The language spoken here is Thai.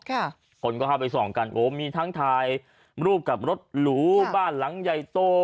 ค่ะคนก็เข้าไปสรองกันโอ้มีท้านไทยลูกกับรถลูบ้านหลังใยโต